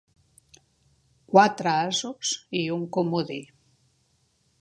Quatre asos i un comodí.